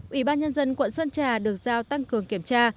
ủy ban nhân dân tp đà nẵng được giao tăng cường kiểm tra